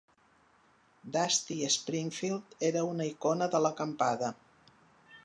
Dusty Springfield era una icona de l'acampada.